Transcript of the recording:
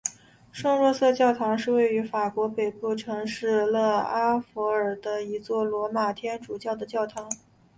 圣若瑟教堂是位于法国北部城市勒阿弗尔的一座罗马天主教的教堂。